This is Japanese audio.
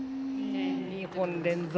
２本連続